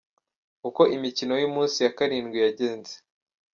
Uko imikino y’umunsi wa karindwi yagenze .